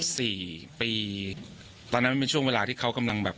สี่ปีตอนนั้นมันเป็นช่วงเวลาที่เขากำลังแบบ